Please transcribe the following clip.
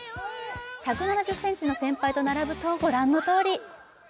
１７０ｃｍの先輩と並ぶとご覧のとおり。